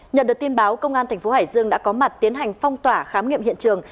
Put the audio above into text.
nhận được tin báo công an thành phố hải dương đã có mặt tiến hành phong tỏa khám nghiệm hiện trường